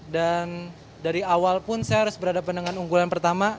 dan dari awal pun saya harus berada pendekatan unggulan pertama